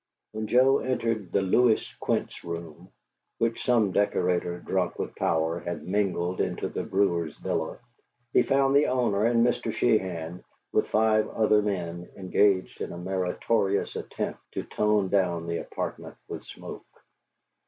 When Joe entered the "Louis Quinze room" which some decorator, drunk with power, had mingled into the brewer's villa, he found the owner and Mr. Sheehan, with five other men, engaged in a meritorious attempt to tone down the apartment with smoke.